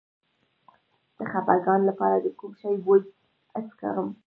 د خپګان لپاره د کوم شي بوی حس کړم؟